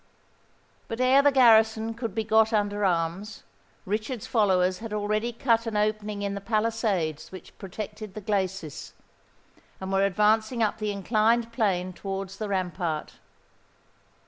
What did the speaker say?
But ere the garrison could be got under arms, Richard's followers had already cut an opening in the palisades which protected the glacis, and were advancing up the inclined plane towards the rampart.